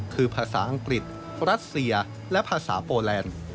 คือภาษาอังกฤษรัสเซียและภาษาโปแลนด์